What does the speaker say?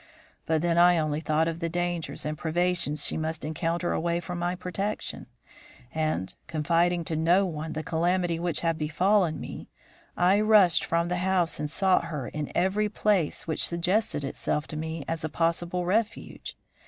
But then I only thought of the dangers and privations she must encounter away from my protection; and, confiding to no one the calamity which had befallen me, I rushed from the house and sought her in every place which suggested itself to me as a possible refuge.